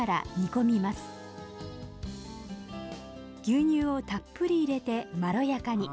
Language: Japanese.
牛乳をたっぷり入れてまろやかに。